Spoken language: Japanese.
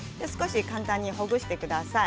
簡単にほぐしてください。